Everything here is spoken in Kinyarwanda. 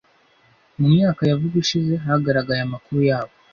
mu myaka ya vuba ishize hagaragaye amakuru yabo